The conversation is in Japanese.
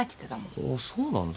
あっそうなんだ。